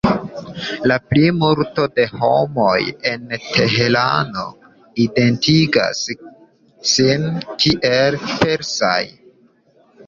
La plimulto de homoj en Teherano identigas sin kiel persaj.